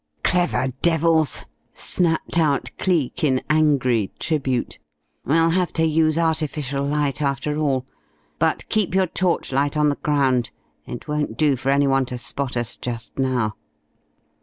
"Clever devils!" snapped out Cleek, in angry tribute. "We'll have to use artificial light after all; but keep your torch light on the ground. It won't do for any one to spot us just now."